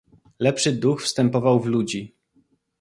"Lepszy duch wstępował w ludzi."